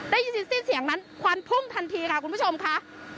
ได้ยินสิ้นเสียงนั้นควันพุ่งทันทีค่ะคุณผู้ชมค่ะ